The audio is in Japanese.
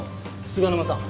菅沼さん。